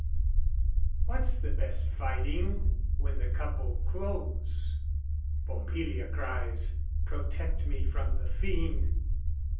What's the best fighting when the couple close? Pompilia cries, "Protect me from the fiend!"